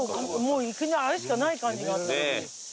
もうあれしかない感じがあった。